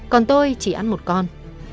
còn tôi chỉ ăn một con